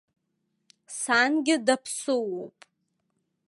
Сангьы даԥсуоуп.